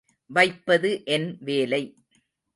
வைப்பது என் வேலை.